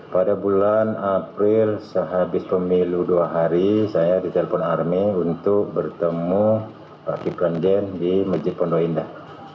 pada bulan april sehabis pemilu dua hari saya ditelepon army untuk bertemu pak ki planzen di majid pondoh indah